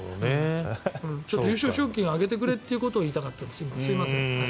優勝賞金上げてくれということを言いたかったんですすいません。